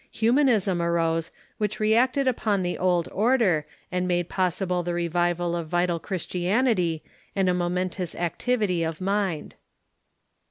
Humanism arose, which reacted upon the old order, and made possible the revival of vital Christianity and a momentous activity of mind.